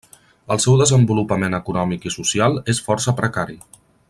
El seu desenvolupament econòmic i social és força precari.